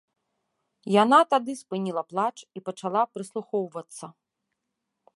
Яна тады спыніла плач і пачала прыслухоўвацца.